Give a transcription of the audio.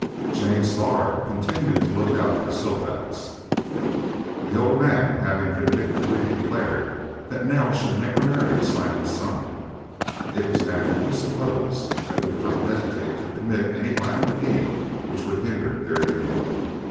James Starr continued to look out for Silfax. The old man having vindictively declared that Nell should never marry Simon's son, it was natural to suppose that he would not hesitate to commit any violent deed which would hinder their union.